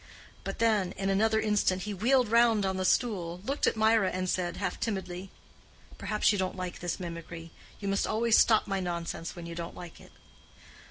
But then in another instant he wheeled round on the stool, looked at Mirah and said, half timidly—"Perhaps you don't like this mimicry; you must always stop my nonsense when you don't like it."